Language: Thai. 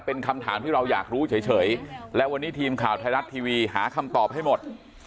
เป็นคำถามที่เราอยากรู้เฉยและวันนี้ทีมข่าวไทยรัฐทีวีหาคำตอบให้หมด